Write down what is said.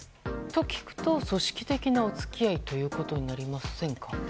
と聞くと、組織的なお付き合いということになりませんか。